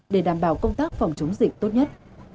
để đảm bảo công tác phòng chống dịch tốt nhất